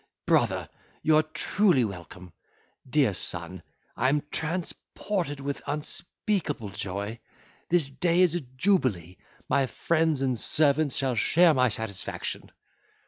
Brother, you are truly welcome. Dear son, I am transported with unspeakable joy! This day is a jubilee—my friends and servants shall share my satisfaction."